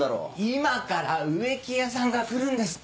今から植木屋さんが来るんですって！